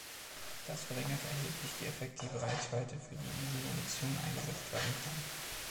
Das verringert erheblich die effektive Reichweite, für die diese Munition eingesetzt werden kann.